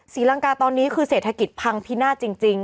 ศรีลังกาตอนนี้คือเศรษฐกิจพังพินาศจริง